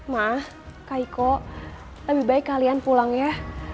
ma kak iko lebih baik kalian pulang ya